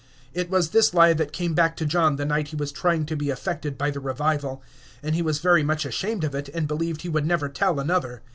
It was this lie that came back to John the night he was trying to be affected by the revival. And he was very much ashamed of it, and believed he would never tell another.